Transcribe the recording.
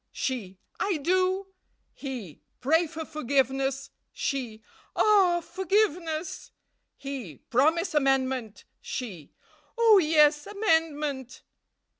"She. 'I do.' "He. 'Pray for forgiveness.' "She. 'Ah, forgiveness!' "He. 'Promise amendment.' "She. 'Oh, yes, amendment!'